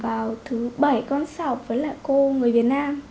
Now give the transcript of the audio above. vào thứ bảy con sẽ học với cô người việt nam